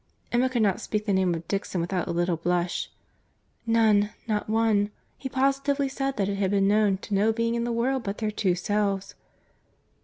Emma could not speak the name of Dixon without a little blush. "None; not one. He positively said that it had been known to no being in the world but their two selves."